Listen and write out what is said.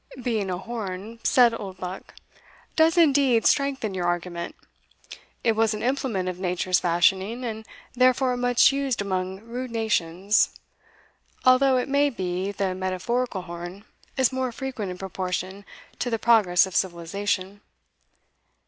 "Being a horn," said Oldbuck, "does indeed strengthen your argument. It was an implement of nature's fashioning, and therefore much used among rude nations, although, it may be, the metaphorical horn is more frequent in proportion to the progress of civilisation.